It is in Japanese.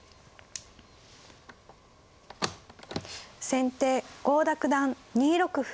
先手郷田九段２六歩。